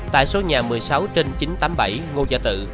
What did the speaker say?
tại số nhà một mươi sáu trên chín trăm tám mươi bảy ngô gia tự